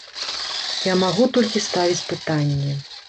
Я магу толькі ставіць пытанні.